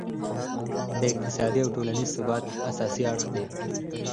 د اقتصادي او ټولینز ثبات اساسي اړخ دی.